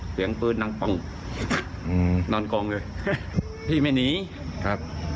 เสียงปืนดังปังอืมนอนกองเลยพี่ไม่หนีครับ